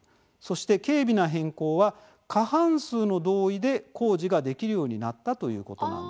そして「軽微な変更」は過半数の同意で工事ができるようになったということなんです。